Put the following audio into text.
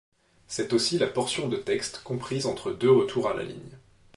C'est aussi la portion de texte comprise entre deux retours à la ligne.